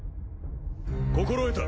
心得た。